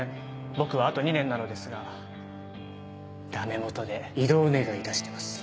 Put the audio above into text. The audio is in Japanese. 僕はあと２年なのですがダメもとで異動願出してます。